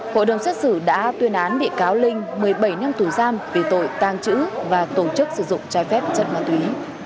hội đồng xét xử đã tuyên án bị cáo linh một mươi bảy năm tù giam về tội tàng trữ và tổ chức sử dụng trái phép chất ma túy